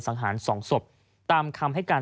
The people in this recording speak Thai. สังหาร๒ศพตามคำให้การ